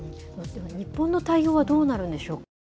日本の対応はどうなるんでしょうか。